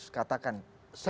saya tidak menyesal